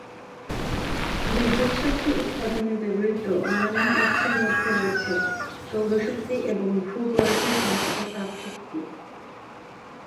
বিদ্যুৎ শক্তি উৎপাদনে ব্যবহৃত অন্যান্য উৎসের মধ্যে রয়েছে সৌর শক্তি এবং ভূ-গর্ভে সঞ্চিত তাপ শক্তি।